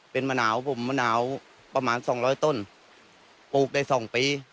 เป็นมะนาวผมมะนาวประมาณสองร้อยต้นปลูกได้๒ปี